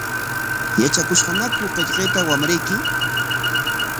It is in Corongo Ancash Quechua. ¿Yatrakushqañaku qillqayta wamrayki?